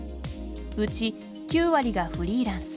うち９割がフリーランス。